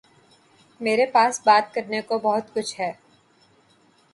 میرے پاس بات کرنے کو بہت کچھ ہے